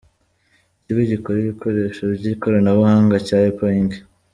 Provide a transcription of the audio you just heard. Ikigo gikora ibikoresho by’ikoranabuhanga cya Apple Inc.